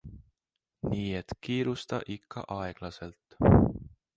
Nii et kiirusta ikka aeglaselt!